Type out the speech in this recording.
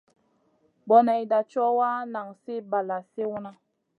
Boneyda co wa, nan sli balla sliwna.